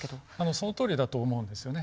そのとおりだと思うんですよね。